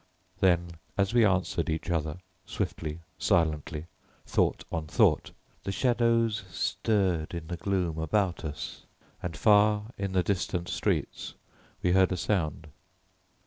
Then as we answered each other, swiftly, silently, thought on thought, the shadows stirred in the gloom about us, and far in the distant streets we heard a sound.